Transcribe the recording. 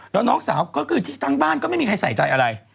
แล้วน้องสาวก็คือที่ทั้งบ้านก็ไม่มีใครใส่ใจอะไร